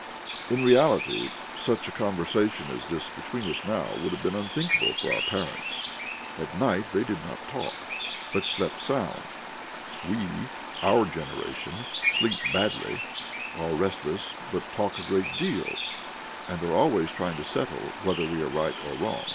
In reality, such a conversation as this between us now would have been unthinkable for our parents. At night they did not talk, but slept sound; we, our generation, sleep badly, are restless, but talk a great deal, and are always trying to settle whether we are right or not.